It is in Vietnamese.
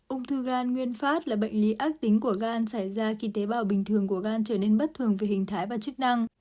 ung thư gan nguyên phát là bệnh lý ác tính của gan xảy ra khi tế bào bình thường của gan trở nên bất thường về hình thái và chức năng